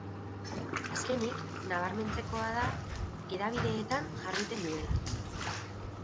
Azkenik, nabarmentzekoa da, hedabideetan jarduten duela.